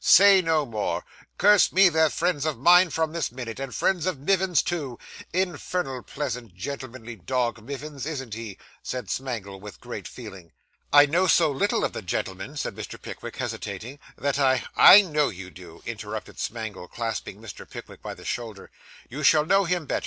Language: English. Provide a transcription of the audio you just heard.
'Say no more. Curse me, they're friends of mine from this minute, and friends of Mivins's, too. Infernal pleasant, gentlemanly dog, Mivins, isn't he?' said Smangle, with great feeling. 'I know so little of the gentleman,' said Mr. Pickwick, hesitating, 'that I ' 'I know you do,' interrupted Smangle, clasping Mr. Pickwick by the shoulder. 'You shall know him better.